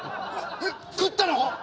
食ったの！？